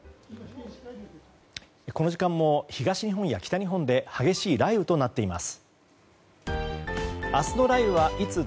この時間も東日本や北日本で激しい雷雨となっています。